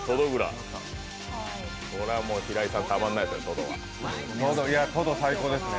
これはもう平井さん、たまらないですね。